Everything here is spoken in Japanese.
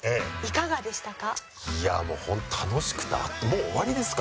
いやあもう本当楽しくてもう終わりですか。